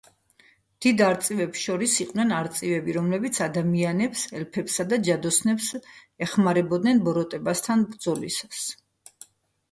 დიდ არწივებს შორის იყვნენ არწივები, რომლებიც ადამიანებს, ელფებსა და ჯადოსნებს ეხმარებოდნენ ბოროტებასთან ბრძოლისას.